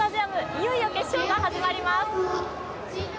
いよいよ決勝が始まります！